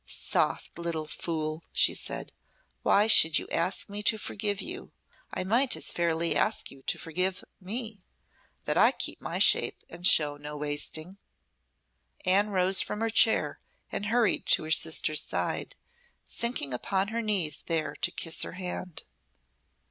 "Soft little fool," she said, "why should you ask me to forgive you? I might as fairly ask you to forgive me, that I keep my shape and show no wasting." Anne rose from her chair and hurried to her sister's side, sinking upon her knees there to kiss her hand.